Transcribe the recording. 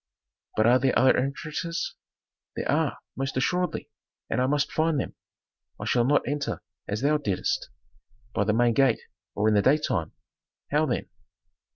"But are there other entrances?" "There are, most assuredly, and I must find them. I shall not enter as thou didst, by the main gate or in the daytime." "How then?"